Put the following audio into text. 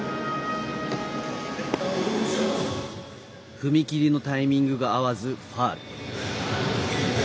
踏み切りのタイミングが合わずファウル。